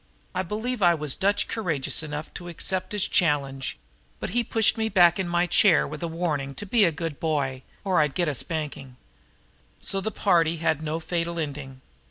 I believe I was Dutch courageous enough to accept his challenge but he pushed me back in my chair with a warning to be "a good bye" or I'd get a spanking. So the party had no fatal ending.